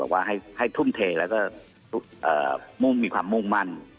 ว่าให้ทุ่มเทแล้วก็มีความมุ่งมั่น